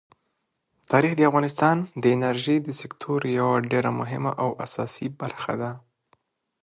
تاریخ د افغانستان د انرژۍ د سکتور یوه ډېره مهمه او اساسي برخه ده.